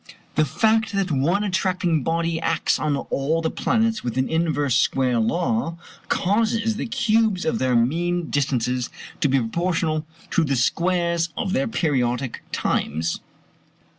The fact that one attracting body acts on all the planets with an inverse square law, causes the cubes of their mean distances to be proportional to the squares of their periodic times.